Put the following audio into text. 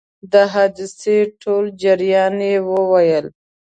د حادثې ټول جریان یې وویل.